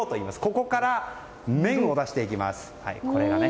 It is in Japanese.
ここから麺を出していきます。